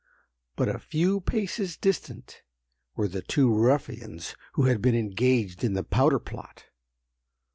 But a few paces distant were the two ruffians who had been engaged in the powder plot.